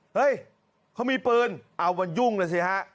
เฮ้ยเขามีปืนเอาวันยุ่งนะสิฮะ